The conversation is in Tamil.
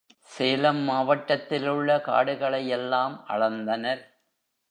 சேலம் மாவட்டத்திலுள்ள காடுகளையெல்லாம் அளந்தனர்.